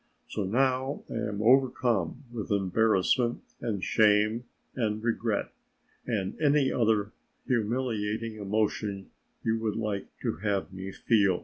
So now I am overcome with embarrassment and shame and regret and any other humiliating emotion you would like to have me feel.